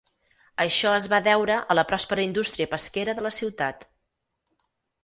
Això es va deure a la pròspera indústria pesquera de la ciutat.